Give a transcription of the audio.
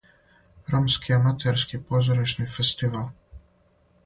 Ромски аматерски позоришни фестивал.